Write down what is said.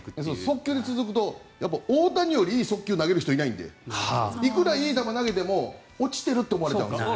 速球が続くと大谷よりいい速球を投げる人はいないのでいくらいい球を投げても落ちていると思われるから。